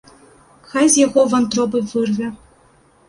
Хай з яго вантробы вырве.